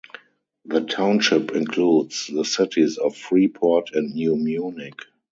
The township includes the cities of Freeport and New Munich.